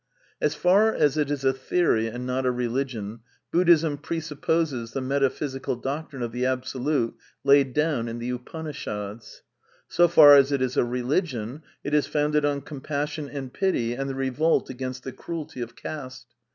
As far as it is a theory and not a religion, Buddhism presupposes the metaphysical doctrine of the Absolute laid down in the Upanishads. So far as it is a religion, it is founded on compassion and pity and the revolt against the cruelty of caste.